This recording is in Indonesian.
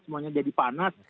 semuanya jadi panas